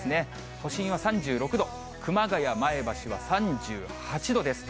都心は３６度、熊谷、前橋は３８度です。